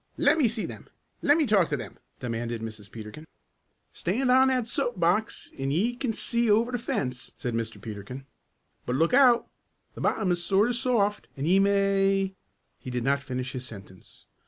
"Let me see them! Let me talk to them!" demanded Mrs. Peterkin. "Stand on that soap box an' ye kin see over the fence," said Mr. Peterkin. "But look out. The bottom is sort of soft an' ye may " He did not finish his sentence.